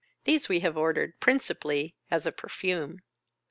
These we have ordered, principally as a perfume.